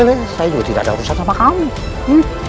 eh saya juga tidak ada urusan sama kau nih